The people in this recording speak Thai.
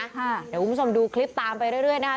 เดี๋ยวคุณผู้ชมดูคลิปตามไปเรื่อยนะคะ